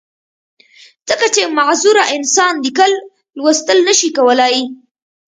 ځکه چې معذوره انسان ليکل، لوستل نۀ شي کولی